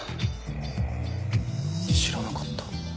え知らなかった。